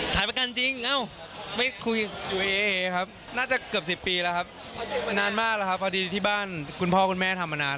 ใช่แต่ไม่ค่อยมีใครทราบครับ